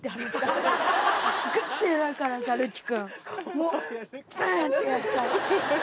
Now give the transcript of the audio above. もうウン！ってやった。